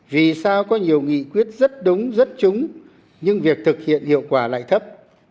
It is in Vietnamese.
vì sao có nhiều nghị quyết rất đúng rất trúng nhưng việc thực hiện hiệu quả lại thấp